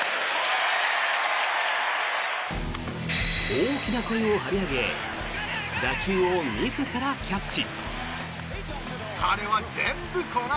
大きな声を張り上げ打球を自らキャッチ。